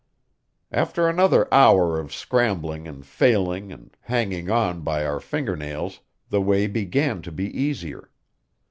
After another hour of scrambling and failing and hanging on by our finger nails, the way began to be easier.